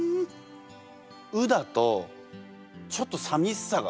「う」だとちょっとさみしさがすごい強い。